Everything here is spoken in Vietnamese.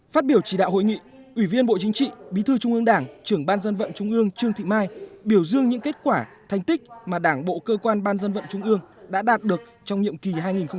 phát biểu chỉ đạo hội nghị ủy viên bộ chính trị bí thư trung ương đảng trưởng ban dân vận trung ương trương thị mai biểu dương những kết quả thành tích mà đảng bộ cơ quan ban dân vận trung ương đã đạt được trong nhiệm kỳ hai nghìn một mươi năm hai nghìn hai mươi